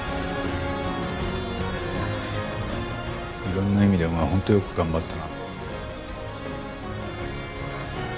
いろんな意味でお前は本当よく頑張ったな。